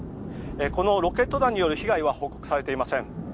このロケット弾による被害は報告されていません。